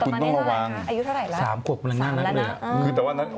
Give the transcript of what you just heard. อายุเท่าไหร่ละสามแล้วนะสามแล้วนะ